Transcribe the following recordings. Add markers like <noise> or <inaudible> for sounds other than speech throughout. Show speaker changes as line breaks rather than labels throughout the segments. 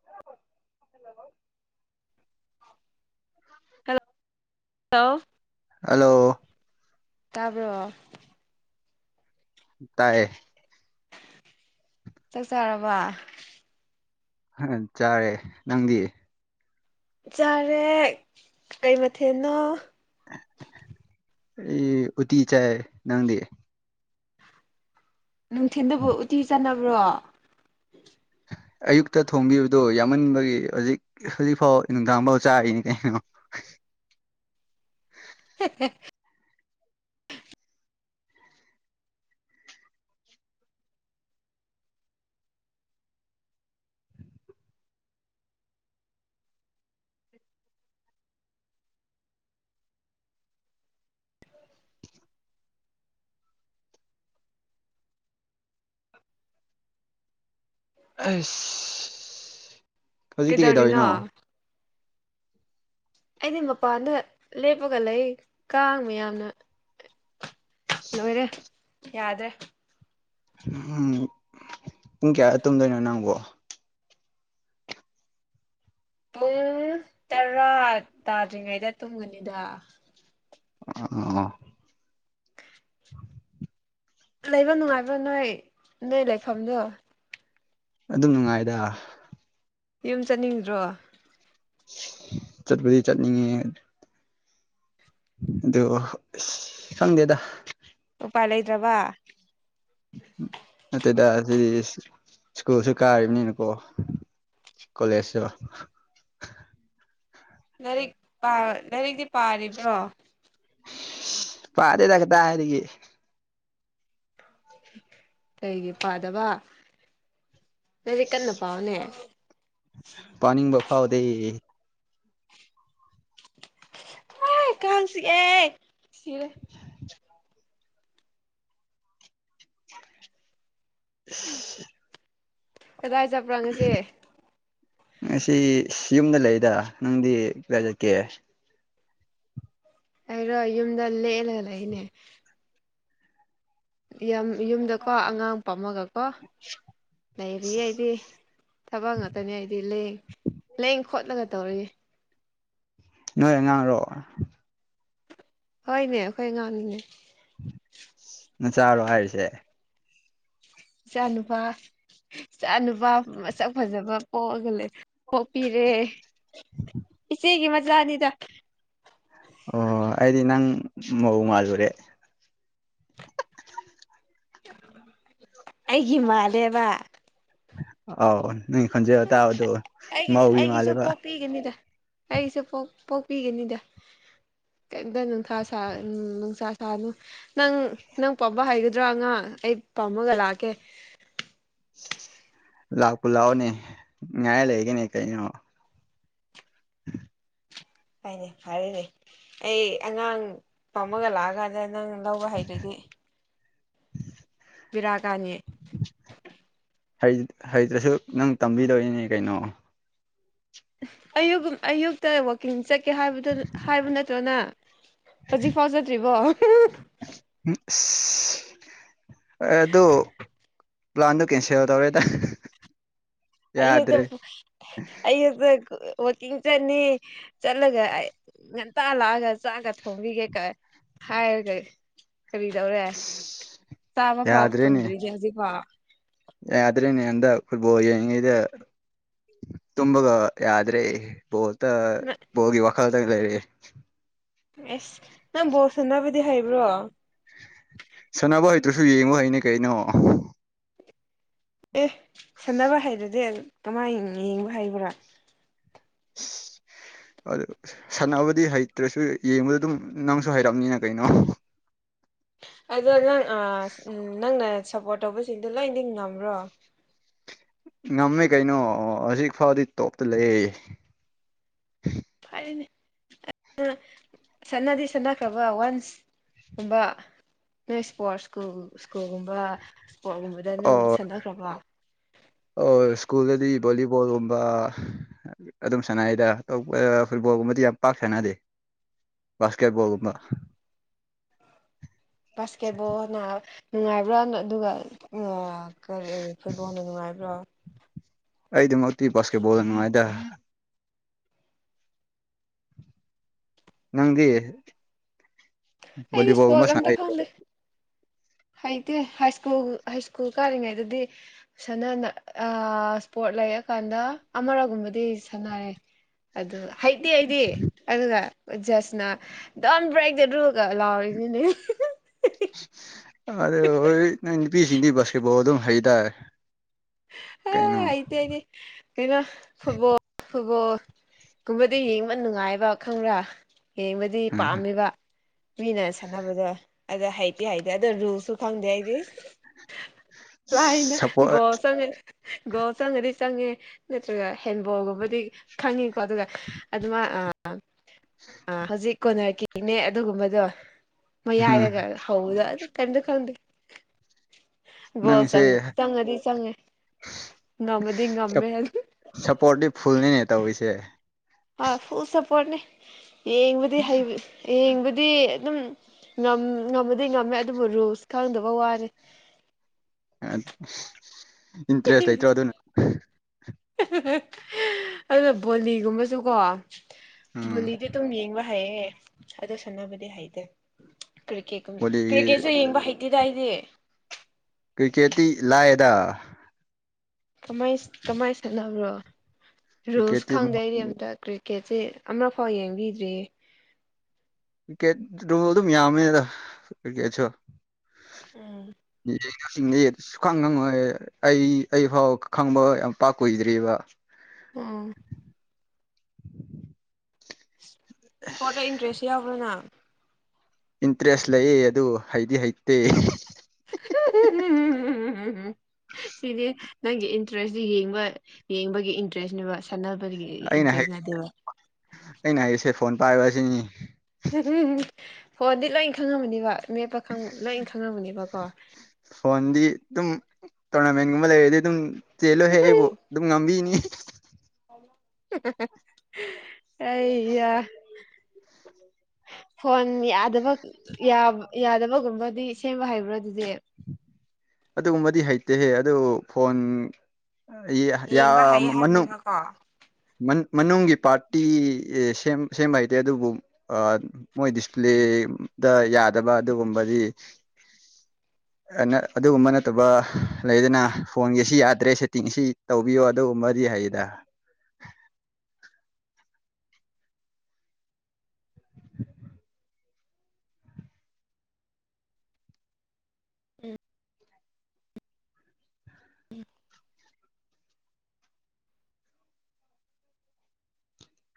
<inaudible>
Hello <inaudible>
hello
ꯇꯥꯕꯔꯣ
ꯇꯥꯏꯌꯦ
ꯆꯥꯛ ꯆꯥꯔꯕ
ꯆꯥꯔꯦ ꯅꯪꯗꯤ
ꯆꯥꯔꯦ ꯀꯩ ꯃꯊꯦꯜꯅꯣ
ꯑꯩ ꯎꯇꯤ ꯆꯥꯏ ꯅꯪꯗꯤ
ꯅꯨꯡꯊꯤꯟꯗꯕꯨ ꯎꯇꯤ ꯆꯥꯟꯅꯕ꯭ꯔꯣ
ꯑꯌꯨꯛꯇ ꯊꯣꯡꯕꯤꯕꯗꯨ ꯌꯥꯝꯃꯟꯕꯒꯤ ꯍꯧꯖꯤꯛ ꯍꯧꯖꯤꯛꯐꯥꯎ ꯅꯨꯡꯗꯥꯡꯐꯥꯎ ꯆꯥꯔꯤꯅꯤ ꯀꯩꯅꯣ
ꯍ <inaudible>
ꯑꯦꯁ <inaudible>
ꯀꯩꯗꯧꯔꯤꯅꯣ ꯑꯩꯗꯤ ꯃꯄꯥꯟꯗ ꯂꯦꯞꯄꯒ ꯂꯩ ꯀꯥꯡ ꯃꯌꯥꯝꯅ ꯂꯣꯏꯔꯦ ꯌꯥꯗ꯭ꯔꯦ
ꯎꯝ ꯄꯨꯡ ꯀꯌꯥ ꯇꯨꯝꯗꯣꯏꯅꯣ ꯅꯪꯕꯣ
ꯄꯨꯡ ꯇꯔꯥ ꯇꯥꯗ꯭ꯔꯤꯉꯩꯗ ꯇꯨꯡꯒꯅꯤꯗ
ꯑ ꯑꯣ
ꯂꯩꯕ ꯅꯨꯡꯉꯥꯏꯕ꯭ꯔꯥ ꯅꯣꯏ ꯅꯣꯏ ꯂꯩꯐꯝꯗꯣ
ꯑꯗꯨꯝ ꯅꯨꯡꯉꯥꯏꯗ
ꯌꯨꯝ ꯆꯠꯅꯤꯡꯗ꯭ꯔꯣ
ꯆꯠꯄꯨꯗꯤ ꯆꯠꯅꯤꯡꯉꯦ ꯑꯗꯨꯕꯨ ꯑꯁ ꯈꯪꯗꯦꯗ
ꯎꯄꯥꯥꯏ ꯂꯩꯇ꯭ꯔꯕ
ꯅꯠꯇꯦꯗ ꯁꯤ ꯁ꯭ꯀꯨꯜꯁꯨ ꯀꯥꯔꯤꯕꯅꯤꯅꯀꯣ ꯀꯣꯂꯦꯁ ꯁꯨ
ꯂꯥꯏꯔꯤꯛ ꯂꯥꯏꯔꯤꯛꯇꯤ ꯄꯥꯔꯤꯕ꯭ꯔꯣ
ꯄꯥꯗꯦꯗ ꯀꯗꯥꯢꯗꯒꯤ
ꯀꯩꯒꯤ ꯄꯥꯗꯕ ꯂꯥꯢꯔꯤꯛ ꯀꯟꯅ ꯄꯥꯎꯅꯦ
ꯄꯥꯅꯤꯡꯗ ꯐꯥꯎꯗꯦ
ꯀꯥꯟ ꯆꯤꯛꯑꯦ ꯁꯤꯔꯦ
<inaudible>
ꯀꯗꯥꯏ ꯆꯠꯄ꯭ꯔꯥ ꯉꯁꯤ
ꯉꯁꯤ ꯌꯨꯝꯗ ꯂꯩꯗ ꯅꯪꯗꯤ ꯀꯗꯥꯏ ꯆꯠꯀꯦ
ꯑꯩꯔꯣ ꯌꯨꯝꯗ ꯂꯦꯛꯂꯒ ꯂꯩꯅꯦ ꯌꯥꯝ ꯌꯨꯝꯗꯀꯣ ꯑꯉꯥꯡ ꯄꯝꯃꯒꯀꯣ ꯂꯩꯔꯤ ꯑꯩꯗꯤ ꯊꯕꯛ ꯉꯥꯛꯇꯅꯤ ꯑꯩꯗꯤ ꯂꯦꯡ- ꯂꯦꯡ ꯈꯣꯠꯂꯒ ꯇꯧꯔꯤꯌꯦ
ꯅꯣꯏ ꯑꯉꯥꯡꯔꯣ
ꯍꯣꯏꯅꯦ ꯑꯩꯈꯣꯏ ꯑꯉꯥꯡꯅꯤꯅꯦ
ꯅꯆꯥꯔꯣ ꯍꯥꯏꯔꯤꯁꯦ
ꯏꯆꯥꯅꯨꯄꯥ ꯏꯆꯥꯅꯨꯄꯥ ꯃꯁꯛ ꯐꯖꯕ ꯄꯣꯛꯑꯒ ꯄꯣꯛꯄꯤꯔꯦ ꯏꯆꯦꯒꯤ ꯃꯆꯥꯅꯤꯗ
ꯑꯣ ꯑꯩꯗꯤ ꯅꯪ ꯃꯧ ꯃꯥꯥꯜꯂꯨꯔꯦ
ꯑꯩꯒꯤ ꯃꯥꯜꯂꯦꯕ
ꯑꯥꯎ ꯅꯪ ꯈꯣꯟꯖꯦꯜ ꯇꯥꯕꯗꯣ ꯃꯧꯒꯤ ꯃꯥꯜꯂꯦꯕ
ꯄꯤꯒꯅꯤꯗ ꯑꯩꯁꯨ ꯄꯣꯛꯄꯤꯒꯅꯤꯗ ꯀꯩꯝꯇ ꯅꯨꯡꯊꯥ ꯁꯥ ꯎꯝ ꯅꯨꯡꯁꯥ ꯁꯥꯅꯨ ꯅꯪ ꯅꯪ ꯄꯝꯕ ꯍꯩꯒꯗ꯭ꯔꯥ ꯑꯉꯥꯡ ꯑꯩ ꯄꯥꯝꯃꯒ ꯂꯥꯛꯀꯦ
ꯂꯥꯛꯄꯨ ꯂꯥꯛꯑꯣꯅꯦ ꯉꯥꯏꯔ ꯂꯩꯒꯦꯅꯦ ꯀꯩꯅꯣ <inaudible>
ꯍꯣꯏꯅꯦ ꯐꯔꯦꯅꯦ ꯑꯩ ꯑꯉꯥꯡ ꯄꯝꯃꯒ ꯂꯥꯛꯑꯀꯥꯟꯗ ꯅꯪ ꯂꯧꯕ ꯍꯩꯇ꯭ꯔꯗꯤ ꯕꯤꯔꯥ ꯀꯥꯅꯤ
ꯍꯩ ꯍꯩꯗ꯭ꯔꯁꯨ ꯅꯪ ꯇꯝꯕꯤꯗꯧꯔꯤꯅꯦ ꯀꯩꯅꯣ
ꯑꯌꯨꯛ ꯒꯨꯝ ꯑꯌꯨꯛꯇ ꯋꯥ ꯀꯤꯡ ꯆꯠꯀꯦ ꯍꯥꯏꯕꯗꯨ ꯍꯥꯏꯕ ꯅꯠꯇ꯭ꯔꯣ ꯅꯪ ꯍꯧꯖꯤꯛ ꯐꯥꯎ ꯆꯠꯇ꯭ꯔꯤꯕꯣ
ꯎꯝ ꯑꯁ ꯑꯗꯣ ꯄ꯭ꯂꯥꯟꯗꯣ ꯀꯦꯟꯁꯦꯜ ꯇꯧꯔꯦꯗ
ꯑꯌꯨꯛꯇ
ꯌꯥꯗ꯭ꯔꯦ
ꯑꯌꯨꯛꯇ ꯋꯥꯀꯤꯡ ꯆꯠꯅꯤ ꯆꯠꯂꯒ ꯑꯩ ꯉꯟꯇꯥ ꯂꯥꯛꯑꯒ ꯆꯥꯛꯀ ꯊꯣꯡꯕꯤꯒꯦ ꯀꯥꯏ ꯍꯥꯏꯔꯒ ꯀꯔꯤꯗꯧꯔꯦ ꯇꯥꯕꯐꯥꯎ
ꯌꯥꯗ꯭ꯔꯦꯅꯦ
ꯐꯪꯗ꯭ꯔꯤꯁꯦ ꯍꯧꯖꯤꯛꯐꯥꯎ
ꯌꯥꯗ꯭ꯔꯦꯅꯦ ꯍꯟꯗꯛ ꯐꯨꯠꯕꯣꯜ ꯌꯦꯡꯤꯉꯩꯗ ꯇꯨꯝꯕꯒ ꯌꯥꯗ꯭ꯔꯦ ꯕꯣꯜꯗ ꯕꯣꯜꯒꯤ ꯋꯥꯈꯜꯗ ꯂꯩꯔꯦ
ꯑꯦꯁ ꯅꯪ ꯕꯣꯜ ꯁꯟꯅꯕꯗꯤ ꯍꯩꯕ꯭ꯔꯣ
ꯁꯥꯟꯅꯕ ꯍꯩꯇ꯭ꯔꯁꯨ ꯌꯦꯡꯕ ꯍꯩꯅꯦ ꯀꯩꯅꯣ
ꯑꯦ ꯁꯥꯟꯅꯕ ꯍꯩꯇꯔꯗꯤ ꯀꯃꯥꯏꯅ ꯌꯦꯡꯕ ꯍꯩꯕ꯭ꯔꯥ
<inaudible> ꯑꯗꯨ ꯁꯥꯟꯅꯕꯗꯤ ꯍꯩꯇ꯭ꯔꯁꯨ ꯌꯦꯡꯕꯗꯤ ꯑꯗꯨꯝ ꯅꯪꯁꯨ ꯍꯩꯔꯝꯅꯤꯅ ꯀꯩꯅꯣ
ꯑꯗꯣ ꯅꯪ-ꯑ-ꯅꯪꯅ ꯁꯞꯄꯣꯔꯠ ꯇꯧꯕꯁꯤꯡꯗꯣ ꯂꯣꯏꯗꯤ ꯉꯝꯕ꯭ꯔꯣ
ꯉꯝꯃꯦ ꯀꯩꯅꯣ ꯑꯣ ꯍꯧꯖꯤꯛ ꯐꯥꯎꯗꯤ ꯇꯣꯞꯇ ꯂꯩꯌꯦ
ꯐꯔꯦꯅꯦ ꯑꯗꯨ ꯁꯟꯅꯗꯤ ꯁꯅꯈ꯭ꯔꯕ ꯋꯥꯟꯁ ꯨꯀꯨꯝꯕ ꯅꯣꯏ ꯏꯁꯄꯣꯔꯠ ꯏꯁ꯭ꯀꯨꯜ- ꯏꯁ꯭ꯀꯨꯜꯒꯨꯝꯕ ꯏꯁꯄꯣꯔꯠ ꯒꯨꯝꯕꯗ ꯅꯪ
ꯑꯣ
ꯁꯥꯟꯅꯈ꯭ꯔꯕꯣ
ꯑꯣ ꯏꯁ꯭ꯀꯨꯜꯗꯗꯤ ꯚꯣꯂꯤꯕꯣꯜꯒꯨꯝꯕ ꯑꯗꯨꯝ ꯁꯥꯟꯅꯩꯗ ꯑꯇꯣꯞꯄ ꯐꯨꯠꯕꯣꯜꯒꯨꯝꯕꯗꯤ ꯌꯥꯝ ꯄꯥꯛ ꯁꯥꯟꯅꯗꯦ ꯕꯥꯁꯀꯦꯠꯕꯣꯜꯒꯨꯝꯕ
ꯕꯥꯁꯀꯦꯠꯕꯣꯜꯅ ꯅꯨꯡꯉꯥꯏꯕ꯭ꯔꯥ ꯑꯗꯨꯒ ꯑ ꯀꯔꯤ ꯐꯨꯠꯕꯣꯜꯅ ꯅꯨꯡꯉꯥꯏꯕ꯭ꯔꯣ
ꯑꯩꯗꯃꯛꯇꯤ ꯕꯥꯁꯀꯦꯠ ꯕꯣꯜꯅ ꯅꯨꯡꯉꯥꯏꯗ ꯅꯪꯗꯤ
ꯑꯩꯗꯤ
ꯕꯤꯂꯤꯕꯣꯜꯒꯨꯝꯕ
ꯏꯁꯄꯣꯔꯠ
ꯁꯥꯟꯅ
ꯑꯝꯇ ꯈꯪꯗꯦ
ꯍꯩꯇꯔꫭ
ꯍꯩꯇꯦ ꯍꯥꯏ ꯏꯁ꯭ꯀꯨꯜ ꯍꯥꯏ ꯏꯁ꯭ꯀꯨꯜ ꯀꯥꯔꯤꯉꯩꯗꯗꯤ ꯁꯅꯥ-ꯅ ꯑ -ꯏꯁꯄꯣꯔꯠ ꯂꯩꯔꯀꯥꯟꯗ ꯑꯃꯔꯒꯨꯝꯕꯗꯤ ꯁꯥꯟꯅꯔꯦ꯫ ꯑꯗꯨ ꯍꯩꯇꯦ ꯍꯗꯤ ꯑꯗꯨꯒ ꯖꯁꯅ ꯑꯗꯨꯝ <unintelligible> ꯕ꯭ꯔꯦꯛꯗ ꯑꯗꯨꯒ ꯂꯥꯎꯔꯤꯅꯤꯅꯦ
ꯑꯗꯨ ꯍꯣꯏ ꯅꯪ ꯅꯨꯄꯤꯁꯤꯡꯗꯤ ꯕꯥꯁꯀꯦꯠꯕꯣꯜ ꯑꯗꯨꯝ ꯍꯩꯇꯥꯔꯦ
ꯑ ꯑꯩꯗꯤ ꯍꯥꯏꯗꯤ ꯀꯩꯅꯣ ꯐꯨꯠꯕꯣꯜ ꯐꯨꯠꯕꯣꯜ ꯀꯨꯝꯕꯗ ꯌꯦꯡꯕ ꯅꯨꯡꯉꯥꯏꯕ ꯈꯪꯕ꯭ꯔꯥ ꯌꯦꯡꯕꯗꯤ
ꯎꯝ
ꯄꯥꯝꯃꯤꯕ ꯃꯤꯅ ꯁꯥꯟꯅꯕꯗꯣ ꯑꯗ ꯍꯩꯇꯦ ꯍꯩꯇꯦ ꯑꯗ ꯔꯨꯁꯨ ꯈꯪꯗꯦ ꯍꯥꯏꯗꯤꯅ
ꯁꯞꯄꯣꯔꯠ
ꯆꯪꯉꯦ ꯒꯍ ꯆꯪꯉꯗꯤ ꯆꯪꯉꯦ ꯅꯠꯇ꯭ꯔꯒ ꯍꯦꯟꯕꯣꯜꯒꯨꯝꯕꯗꯤ ꯈꯪꯉꯤꯀꯣ ꯑꯗꯨꯒ ꯑꯗꯨꯃ ꯑ ꯍꯧꯖꯤꯛ ꯀꯣꯟꯅꯔꯛꯀꯤꯅꯦ ꯑꯗꯨꯒꯨꯝꯕꯗꯣ ꯃꯌꯥꯏꯔꯒ ꯍꯧꯕꯗ ꯑꯗꯨ ꯀꯝꯗ ꯈꯪꯗꯤ
ꯅꯪꯁꯦ
ꯅꯃꯗꯤ ꯉꯃꯦ
ꯁꯞꯄꯣꯔꯠꯇꯤ ꯐꯨꯜꯅꯤꯅꯦ ꯇꯧꯔꯤꯁꯦ
ꯑ ꯐꯨꯜ ꯁꯞꯄꯣꯔꯠꯅꯤ ꯌꯦꯡꯕꯗꯤ ꯍ ꯌꯦꯡꯕꯗꯤ ꯑꯗꯨꯝ ꯉꯃꯗꯤ ꯉꯝꯃꯦ ꯑꯗꯨꯕꯨ ꯔꯨꯜꯁ ꯈꯪꯗꯕ ꯋꯥꯔꯦ
ꯏꯟꯇꯔꯦꯁ ꯂꯩꯇ꯭ꯔꯣ ꯑꯗꯨꯅ
ꯑꯗꯨꯅ ꯕꯣꯂꯤꯒꯨꯝꯕꯁꯨꯀꯣ
ꯎꯝ
ꯕꯨꯂꯤꯗꯤ ꯑꯗꯨꯝ ꯌꯦꯡꯕ ꯍꯩꯌꯦ ꯑꯗꯨ ꯁꯥꯟꯅꯕꯗꯤ ꯍꯩꯇꯦ ꯀ꯭ꯔꯤꯀꯦ
ꯕꯣꯂꯤꯒꯤ
ꯀ꯭ꯔꯤꯀꯦꯠꯁꯨ ꯌꯦꯡꯕ ꯍꯩꯇꯦꯗꯏꯗꯤ
ꯀ꯭ꯔꯤꯛꯀꯦꯠꯇꯤ ꯂꯥꯏꯑꯗ
ꯀꯃꯥꯏ ꯁꯥꯟꯅꯕ꯭ꯔꯣ ꯔꯨꯜꯁ
ꯀ꯭ꯔꯤꯀꯦꯠꯇꯤ
ꯈꯪꯗꯦ ꯑꯩꯗꯤ ꯑꯝꯇ ꯀꯔꯤ ꯑꯣ ꯀꯦꯆꯦ ꯑꯃꯛ ꯐꯥꯎ ꯌꯦꯡꯕꯤꯗ꯭ꯔꯤꯌꯦ
ꯀꯤꯀꯦꯠ ꯑꯗꯨꯝ ꯌꯥꯝꯃꯦ ꯑꯗ ꯀꯛꯀꯦꯠꯁꯨ
ꯎꯝ
ꯁꯤꯡꯅꯦ ꯁꯨꯈꯥꯡ ꯉꯪꯉꯣꯏ ꯑꯩ ꯑꯩ ꯐꯥꯎ ꯈꯪꯕ ꯌꯥꯝ ꯄꯥꯛ ꯀꯨꯏꯗ꯭ꯔꯤꯕꯔꯤꯕ
ꯎꯝ ꯏꯁꯄꯣꯔꯠꯇ ꯏꯟꯇꯔꯦꯁ ꯌꯥꯎꯕ꯭ꯔꯥꯅ
ꯏꯟꯇꯔꯦꯁ ꯂꯩꯌꯦ ꯑꯗꯨ ꯍꯩꯗꯤ ꯍꯩꯇꯦ
<unintelligible> ꯁꯤꯗꯤ ꯅꯪꯒꯤ ꯏꯟꯇꯔꯦꯁꯇ ꯌꯦꯡꯕ ꯌꯦꯡꯕꯒꯤ ꯏꯟꯇꯔꯦꯁꯅꯦꯕ ꯁꯥꯟꯅꯕꯒꯤ
ꯑꯩꯅ
ꯏꯟꯇꯔꯦꯁ ꯅꯠꯗꯦꯕ
ꯑꯩꯅ ꯍꯥꯏꯔꯤꯁꯦ ꯐꯣꯟ ꯄꯥꯏꯔꯤꯕ ꯑꯁꯤꯅꯤ
ꯎꯝ ꯍꯗꯤ ꯂꯣꯏꯅ ꯈꯪꯉꯝꯃꯅꯤꯕ ꯃꯦꯞꯄꯪ ꯂꯣꯏꯅ ꯈꯪꯉꯝꯃꯅꯤꯕꯀꯣ
ꯐꯣꯟꯗꯤ ꯑꯗꯨꯝ ꯇꯣꯔꯅꯥꯃꯦꯟꯒꯨꯝꯕ ꯂꯩꯔꯗꯤ ꯑꯗꯨꯝ ꯆꯦꯜꯂꯣꯏꯍꯦ ꯑꯩꯕꯨ ꯑꯗꯨꯝ ꯉꯝꯕꯤꯅꯤ
ꯑꯩ <unintelligible> ꯐꯣꯟ ꯌꯥꯗꯕ ꯌꯥꯗꯕꯒꯨꯝꯕꯗꯤ ꯁꯦꯝꯕ ꯍꯩꯕ꯭ꯔꯥ ꯑꯗꯨꯗꯤ
ꯑꯗꯨꯒꯨꯝꯕꯗꯤ ꯍꯩꯇꯦꯍꯦ ꯑꯗꯨ ꯐꯣꯟ ꯌꯥ
ꯌꯦꯡꯕ ꯍꯩꯌꯦ
ꯃꯅꯨ
ꯍꯥꯏꯕꯅꯦꯕꯀꯣ
ꯃꯅꯨꯡꯒꯤ ꯄꯥꯔꯇꯤ ꯁꯦꯝꯕ ꯍꯩꯇꯦ ꯑꯗꯨꯕꯨ ꯃꯣꯏ ꯗꯤꯁꯄ꯭ꯂꯦꯗ ꯌꯥꯗꯕ ꯑꯗꯨꯒꯨꯝꯕꯗꯤ ꯑꯅ ꯑꯗꯨꯒꯨꯝꯕ ꯅꯠꯇꯕ ꯂꯩꯗꯅ ꯐꯣꯟꯒꯤ ꯑꯁꯤ ꯌꯥꯗ꯭ꯔꯦ ꯁꯦꯠꯇꯤꯡ ꯑꯁꯤ ꯇꯧꯕꯤꯌꯣ ꯑꯗꯨꯒꯨꯝꯕꯗꯤ ꯍꯥꯏꯌꯦꯗ
ꯎꯝ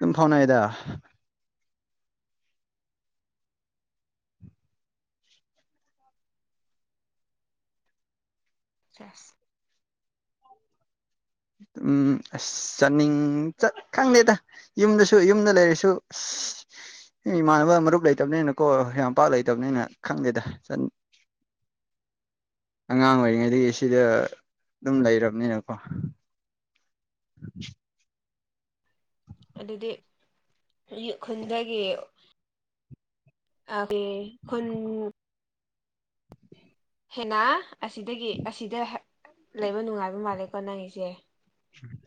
ꯑꯗꯨꯝ ꯐꯥꯎꯅꯌꯦꯗ
ꯆꯁ
ꯎꯝ ꯑꯁ ꯆꯠꯅꯤꯡ ꯆꯠ ꯈꯪꯗꯦꯗ ꯌꯨꯝꯗꯁꯨ ꯌꯨꯝꯗ ꯂꯩꯔꯤꯁꯨ ꯑꯦ ꯏꯃꯥꯟꯅꯕ ꯃꯔꯨꯞ ꯂꯩꯇꯕꯅꯤꯅꯀꯣ ꯌꯥꯝꯄꯥꯛ ꯂꯩꯇꯕꯅꯤꯅ ꯈꯪꯗꯦꯗ ꯑꯉꯥꯡ ꯑꯣꯏꯔꯤꯉꯩꯗꯒꯤ ꯁꯤꯗ ꯑꯗꯨꯝ ꯂꯩꯔꯕꯅꯤꯅꯀꯣ <unintelligible>
ꯑꯗꯨꯗꯤ ꯑꯩꯒꯤ ꯈꯨꯟꯗꯒꯤ ꯑꯥꯒꯤ ꯈꯨꯟ ꯍꯦꯅꯥ ꯑꯁꯤꯗꯒꯤ ꯑꯁꯤꯗ ꯂꯩꯕ ꯅꯨꯡꯉꯥꯏꯕ ꯃꯥꯜꯂꯦꯀꯣ ꯅꯪꯒꯤꯁꯦ꯫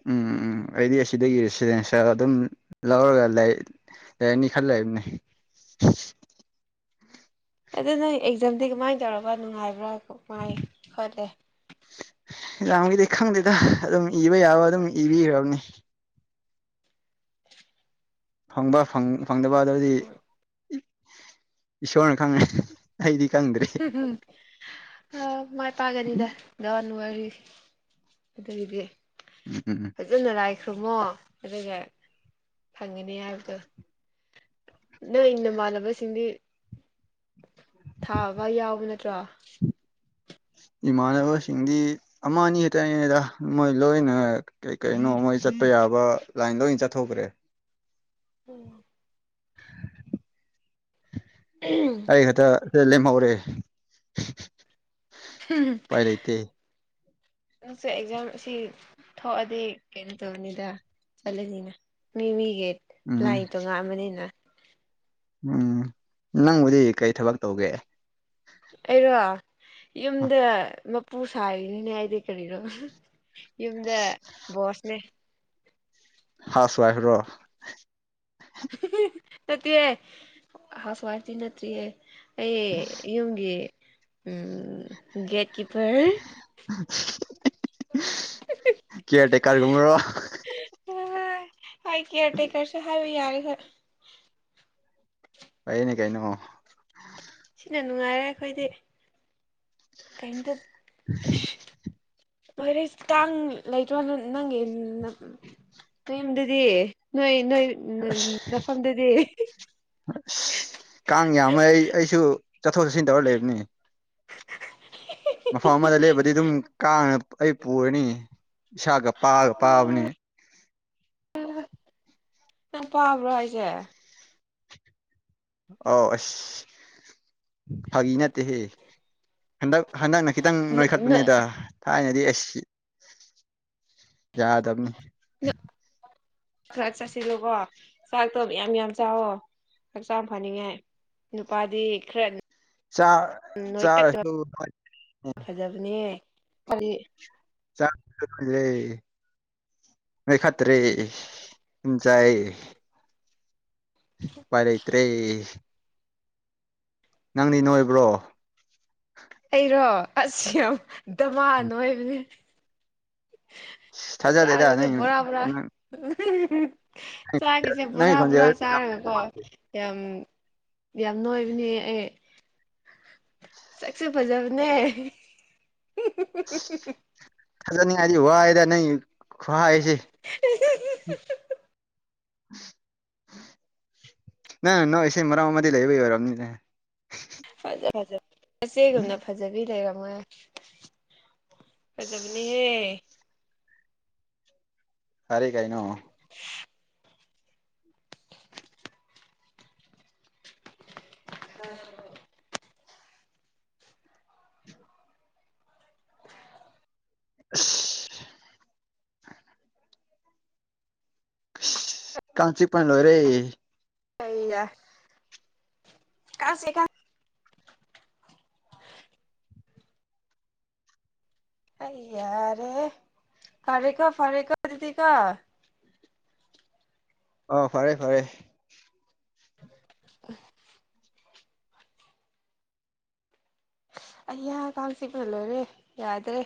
ꯎꯝ ꯎꯝ ꯑꯩꯗꯤ ꯑꯁꯤꯗꯒꯤ ‌ <unintelligible> ꯑꯗꯨꯝ ꯂꯧꯔꯒ ꯂꯩ꯫ ꯂꯩꯔꯅꯤ ꯈꯔ ꯂꯩꯕꯅꯦ꯫
ꯑꯗꯨ ꯅꯪ ꯑꯦꯛꯖꯥꯝꯗꯤ ꯀꯃꯥꯏꯅ ꯇꯧꯔꯕ ꯅꯨꯡꯉꯥꯏꯕ꯭ꯔꯥ ꯃꯥꯏ ꯈꯣꯠꯂꯦ꯫
ꯑꯦꯛꯖꯥꯒꯤꯗꯤ ꯈꯪꯗꯦꯗ ꯑꯗꯨꯝ ꯏꯕ ꯌꯥꯕ ꯑꯗꯨꯝ ꯏꯕꯤꯒ꯭ꯔꯕꯅꯤ꯫ ꯐꯪꯕ ꯐ‌ꯪ ꯐꯪꯗꯕ ꯑꯗꯨꯗꯤ ꯏꯁꯣꯔꯅ ꯈꯪꯒꯅꯤ ꯑꯩꯗꯤ ꯈꯪꯗ꯭ꯔꯦ꯫
ꯑꯥ ꯃꯥꯏ ꯄꯥꯛꯒꯅꯤꯗ ꯗꯣꯟ ꯋꯥꯔꯤ꯫ ꯑꯗꯨꯒꯤꯗꯤ꯫
<unintelligible>
ꯐꯖꯅ ꯂꯥꯏꯈꯨꯔꯨꯝꯃꯣ ꯑꯗꯨꯒ ꯐꯪꯒꯅꯤ ꯍꯥꯏꯕꯗꯣ꯫ ꯅꯣꯏ ꯅꯃꯥꯟꯅꯕꯁꯤꯡꯗꯤ꯫ ꯊꯥꯕ ꯌꯥꯎꯕ ꯅꯠꯇ꯭ꯔꯣ꯫
ꯏꯃꯥꯟꯅꯕꯁꯤꯡꯗꯤ꯫ ꯑꯃ ꯑꯅꯤ ꯈꯛꯇꯅꯤꯗ ꯃꯣꯏ ꯂꯣꯏꯅ ꯀꯩ ꯀꯩꯅꯣ ꯃꯣꯏ ꯆꯠꯄ ꯌꯥꯕ ꯂꯥꯏꯟ ꯂꯣꯏ ꯆꯠꯊꯣꯛꯈ꯭ꯔꯦ꯫
ꯎꯝ꯫
ꯑꯩ ꯈꯛꯇ ꯂꯦꯝꯍꯧꯔꯦ꯫ ꯎꯄꯥꯏ ꯂꯩꯇꯦ
ꯅꯪꯁ‌ꯦ ꯑꯦꯛꯖꯥꯝ ꯑꯁꯤ꯫ ꯊꯣꯛꯑꯗꯤ ꯀꯩꯅꯣ ꯇꯧꯅꯤꯗ ꯆꯠꯂꯅꯤꯅ ꯃꯤ ꯃꯤꯒꯤ꯫
ꯎꯝ
ꯂꯥꯏ ꯇ‌ꯣꯉꯥꯟꯕꯅꯤꯅ꯫
ꯎꯝ ꯅꯪꯕꯨꯗꯤ ꯀꯩ ꯊꯕꯛ ꯇꯧꯒꯦ꯫
ꯑꯩꯔꯣ ꯌꯨꯝꯗ ꯃꯄꯨ ꯁꯥꯔꯤꯅꯤꯅꯦ ꯑꯩꯗꯤ ꯀꯔꯤꯔꯣ꯫ ꯌꯨꯝꯗꯥ ꯕꯣꯁꯅꯦ꯫
ꯍꯥꯎꯁ ꯋꯥꯏꯐ ꯔꯣ꯫
ꯅꯠꯇꯦ ꯍ‌ꯦ ꯍꯥꯎꯁ ꯋꯥꯏꯐꯗꯤ ꯅꯠꯇꯔꯤꯌꯦ꯫ ꯑꯩ ꯌꯨꯝꯒꯤ ꯎꯝ ꯒꯦꯠꯀꯤꯄꯔ꯫
ꯀꯦꯌꯥꯔ ꯇꯦꯀꯔꯒꯨꯝꯕꯔꯣ꯫
ꯍ‌ꯣꯏ ꯀꯦꯌꯔ ꯇꯦꯀꯔꯁꯨ ꯍꯥꯏꯕ ꯌꯥꯔꯦ ꯍꯣꯏ꯫
ꯐꯩꯅꯦ ꯀꯩꯅꯣ꯫
ꯁꯤꯅ ꯅꯨꯡꯉꯥꯏꯔꯦ ꯑꯩꯈꯣꯏꯗꯤ꯫ ꯀꯩꯏꯝꯗ ꯑꯁ ꯂꯣꯏꯔ‌ꯦꯁ ꯀꯥꯡ ꯂꯩꯇ꯭ꯔꯣ ꯅꯪꯒꯤ ꯅꯌꯨꯝꯗꯗꯤ ꯅꯣꯏ ꯅꯣꯏ
ꯑꯁ
ꯅꯐꯝꯗꯗꯤ꯫
ꯑꯁ ꯀꯥꯡ ꯌꯥꯝꯃ ꯑꯩ ꯑꯩꯁꯨ ꯆꯠꯊꯣꯛ ꯆꯠꯁꯤꯟ ꯇꯧꯔ ꯂꯩꯕꯅꯦ꯫ ꯃꯐꯝ ꯑꯃꯗ ꯂꯦꯞꯕꯗꯤ ꯑꯗꯨꯝ ꯀꯥꯡꯅ ꯑꯩ ꯄꯨꯔꯅꯤ ꯏꯁꯥꯒ ꯄꯥꯒ ꯄꯥꯕꯅꯦ꯫
<unintelligible> ꯅꯪ ꯄꯥꯕ꯭ꯔꯣ ꯍꯥꯏꯖꯦ꯫
ꯑꯥꯎ ꯑꯁ꯫ ꯐꯥꯒꯤ ꯅꯠꯇꯦꯍꯦ ꯍꯟꯗꯛ ꯍꯟꯗꯛꯅ ꯈꯤꯇꯪ ꯅꯣꯏꯈꯠꯄꯅꯤꯗ꯫ ꯊꯥꯏꯅꯗꯤ ꯑꯩꯁꯤ ꯌꯥꯗꯝꯅꯤ꯫
ꯅ ꯈꯔ ꯆꯥꯁꯤꯜꯂꯨꯀꯣ ꯆꯥꯛꯇꯣ ꯃꯌꯥꯝ ꯃꯌꯥꯝ ꯆꯥꯎꯋꯣ ꯍꯛꯆꯥꯡ ꯐꯅꯤꯡꯉꯥꯏ꯫ ꯅꯨꯄꯥꯗꯤ ꯈꯔ
ꯆꯥꯛ ꯆꯥꯔꯁꯨ <unintelligible>
ꯑ‌ꯣꯅꯦ ꯀꯔꯤ
ꯆꯥꯛ <unintelligible> ꯅꯣꯏꯈꯠꯇꯔꯦ ꯎꯝ ꯆꯥꯏꯌꯦ꯫ ꯑꯨꯄꯥꯏ ꯂꯩꯇꯔꯦ꯫ ꯅꯪꯗꯤ ꯅꯣꯏꯕ꯭ꯔꯣ꯫
ꯑꯩꯔꯣ ꯑꯁ ꯌꯥꯝ ꯗꯃꯥꯅ ꯅꯣꯏꯕꯅꯦ꯫
ꯊꯥꯖꯗꯦꯗ ꯅꯪ
<unintelligible> ꯕꯣꯔꯕꯣꯔ
ꯅꯪ
<unintelligible> ꯆꯥꯛꯀꯁꯦ ꯕꯣꯔꯥ
ꯅꯪꯒꯤ
ꯕꯣꯔꯥ
ꯈꯣꯟꯖꯦꯜ ꯌꯥꯝ
ꯆꯥꯔꯒꯀꯣ꯫ ꯌꯥꯝ ꯌꯥꯝ ꯅꯣꯏꯕꯅꯦ ꯑꯩ꯫ ꯁꯛꯁꯨ ꯐꯖꯕꯅꯦ
ꯊꯖꯅꯤꯉꯥꯏꯗꯤ ꯋꯥꯏꯗ ꯅꯪ ꯈꯨꯍꯥꯏꯁꯤ꯫
ꯎ <unintelligible>
ꯅꯪꯅ ꯅꯣꯛꯏꯁꯦ ꯃꯔꯝ ꯑꯃꯗꯤ ꯂꯩꯕꯩ ꯑꯣꯏꯔꯅꯤꯅꯦ꯫
ꯐꯖ ꯐꯖ ꯃꯆꯦꯒꯨꯝꯅ ꯐꯖꯕꯤ ꯂꯩꯔꯝꯃꯣꯏꯍꯦ꯫ ꯐꯥꯖꯕꯅꯤ ꯍꯦ꯫
ꯐꯥꯔꯦ ꯀꯩꯏꯅꯣ꯫ <unintelligible> <unintelligible> ꯀꯥꯡ ꯆꯤꯛꯄꯥꯅ ꯂꯣꯏꯔꯦ
ꯑꯩꯅ <unintelligible> ꯑꯩ ꯌꯥꯔꯦꯍꯦ ꯐꯔꯦꯀꯣ ꯐꯔꯦꯀꯣ ꯑꯗꯨꯗꯤꯀꯣ
ꯑꯣ ꯐꯔꯦ ꯐꯔꯦ
<unintelligible> ꯑꯩꯌꯥ ꯀꯥꯡ ꯆꯤꯛꯄꯅ ꯂꯣꯏꯔꯦ ꯌꯥꯗ꯭ꯔꯦ